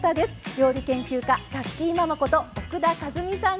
料理研究家たっきーママこと奥田和美さんです。